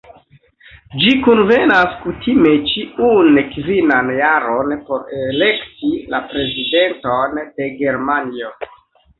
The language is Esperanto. Ĝi kunvenas kutime ĉiun kvinan jaron por elekti la Prezidenton de Germanio.